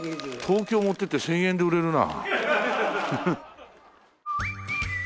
東京持っていって１０００円で売れるな。